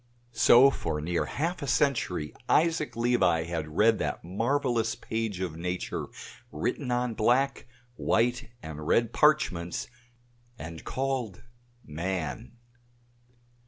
So for near half a century Isaac Levi had read that marvelous page of nature written on black, white and red parchments, and called "Man."